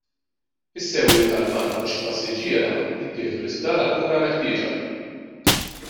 Is-sewwieq tal-vann u xi passiġġiera ttieħdu l-isptar għall-kura meħtieġa.